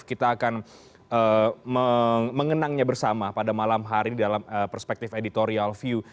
kita akan mengenangnya bersama pada malam hari dalam perspektif editorial view